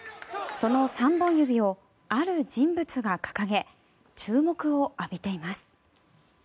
その３本指をある人物が掲げ注目を浴びています。